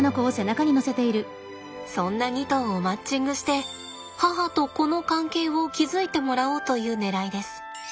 そんな２頭をマッチングして母と子の関係を築いてもらおうというねらいです。